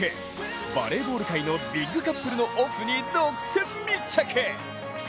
バレーボール界のビッグカップルのオフに独占密着。